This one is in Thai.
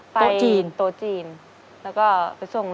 ตัวจีน